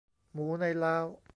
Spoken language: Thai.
หมูในเล้า